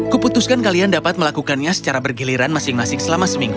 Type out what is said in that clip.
kuputuskan kalian dapat melakukannya secara bergiliran masing masing selama seminggu